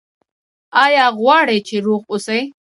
ایا غواړئ چې روغ اوسئ؟